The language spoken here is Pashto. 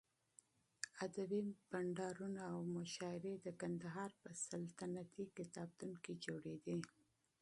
ادبي مجلسونه او مشاعرې د قندهار په سلطنتي کتابتون کې جوړېدې.